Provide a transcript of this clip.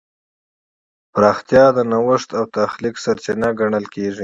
پراختیا د نوښت او تخلیق سرچینه ګڼل کېږي.